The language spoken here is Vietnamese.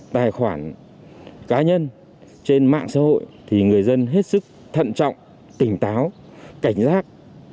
tài khoản cá nhân trên mạng xã hội thì người dân hết sức thận trọng tỉnh táo cảnh giác